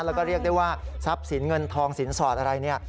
แล้วก็เรียกได้ว่าทรัพย์สินเงินทองสินสอดอะไรเนี่ย